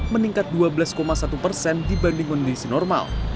meningkat dua belas satu persen dibanding kondisi normal